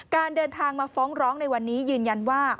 เดินทางมาฟ้องร้องในวันนี้ยืนยันว่า